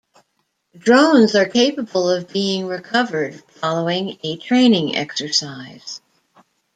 Drones are capable of being recovered following a training exercise.